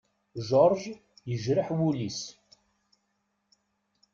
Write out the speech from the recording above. George yejreḥ wul-is.